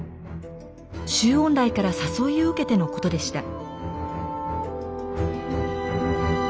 周恩来から誘いを受けてのことでした。